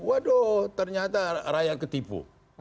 waduh ternyata rakyat ketipu